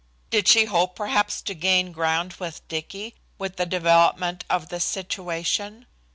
Did she hope perhaps to gain ground with Dicky with the development of this situation?